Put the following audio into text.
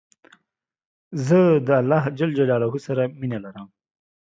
زه د الله ج سره مينه لرم